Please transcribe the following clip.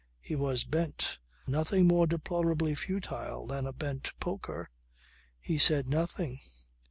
He was bent. Nothing more deplorably futile than a bent poker. He said nothing.